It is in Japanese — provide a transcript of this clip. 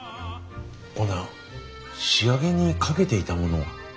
オーナー仕上げにかけていたものは？